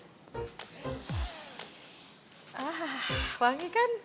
wah wangi kan